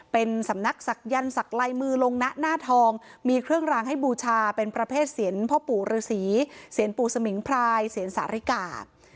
เป็นสำนักศักยันต์สักลายมือลงนะหน้าทองมีเครื่องรางให้บูชาเป็นประเภทเสียงพ่อปู่ฤษีเซียนปู่สมิงพรายเสียงสาริกา